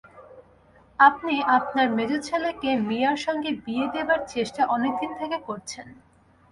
আপনি আপনার মেজো ছেলেকে মিয়ার সঙ্গে বিয়ে দেবার চেষ্টা অনেকদিন থেকে করছেন।